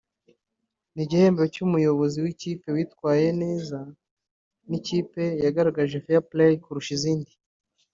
n’igihembo cy’umuyobozi w’ikipe witwaye neza n’ikipe yagaragaje Fair play kurusha izindi